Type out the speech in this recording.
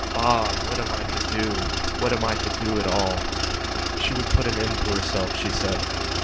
Bob! What am I to do? What am I to do at all?" She would put an end to herself, she said.